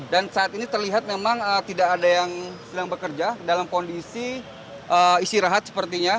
dan saat ini terlihat memang tidak ada yang sedang bekerja dalam kondisi isi rahat sepertinya